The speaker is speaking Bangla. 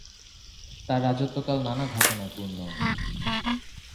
তাঁর রাজত্বকাল নানা ঘটনায় পূর্ণ।